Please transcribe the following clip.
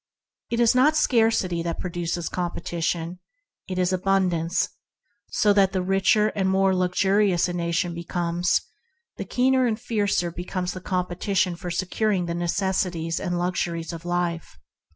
It is not scarcity that produces competition, it is abundance; so that the richer and more luxurious a nation becomes, the keener and harder becomes the competition for securing the necessaries and luxuries of life.